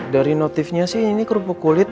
dari notifnya sih ini kerupa kulit